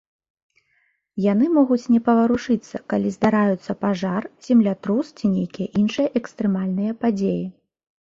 Яны могуць не паварушыцца, калі здараюцца пажар, землятрус ці нейкія іншыя экстрэмальныя падзеі.